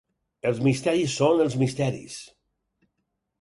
Els misteris són els misteris.